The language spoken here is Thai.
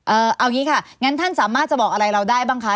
เอางี้ค่ะงั้นท่านสามารถจะบอกอะไรเราได้บ้างคะ